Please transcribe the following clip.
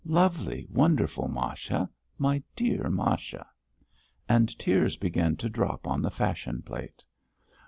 Lovely, wonderful, Masha. My dear Masha!" And tears began to drop on the fashion plate.